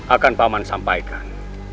akan pak man sampaikan